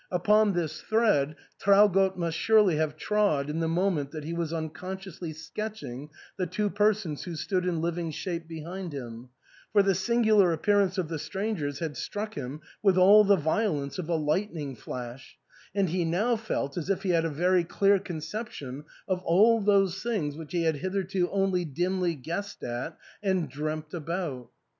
Upon this thread Traugott must surely have trod in the moment that he was unconsciously sketching the two persons who stood in living shape behind him, for the singular appearance of the strangers had struck him with all the violence of a lightning flash ; and he now felt as if he had very clear conceptions of all those things which he had hitherto only dimly guessed at and dreamt about.